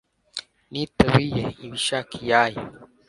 n'itabiye iba ishaka iyayo